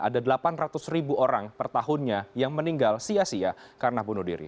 ada delapan ratus ribu orang per tahunnya yang meninggal sia sia karena bunuh diri